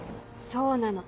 そうなの。